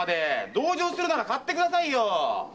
同情するなら買ってください！